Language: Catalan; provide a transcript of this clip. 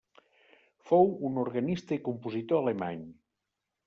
Fou un organista i compositor alemany.